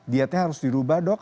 dietnya harus dirubah dok